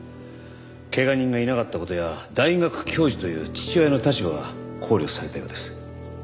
怪我人がいなかった事や大学教授という父親の立場が考慮されたようです。